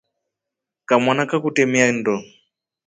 Kamana kakutemia nndo.